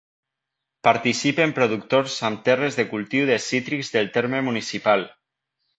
Participen productors amb terres de cultiu de cítrics del terme municipal.